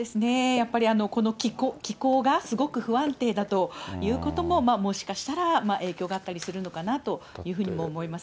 やっぱりこの気候がすごく不安定だということも、もしかしたら影響があったりするのかなというふうにも思います。